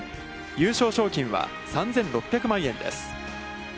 優勝賞金は３６００万円です。